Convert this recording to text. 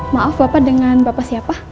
maaf bapak dengan bapak siapa